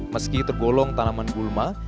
meski tergolong tanaman gulma